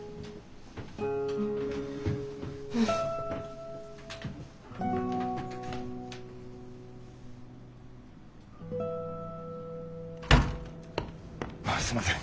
うん。ああすんません。